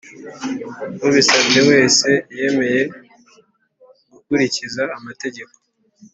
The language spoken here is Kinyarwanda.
Ubisabye wese yemeye gukurikiza amategeko